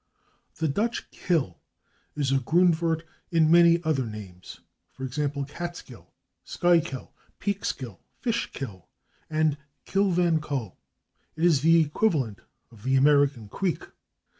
The Dutch /kill/ is a /Grundwort/ in many other names, /e. g./, /Catskill/, /Schuylkill/, /Peekskill/, /Fishkill/ and /Kill van Kull/; it is the equivalent of the American /creek